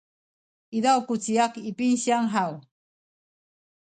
izaw ku ciyak i pinsiyang haw?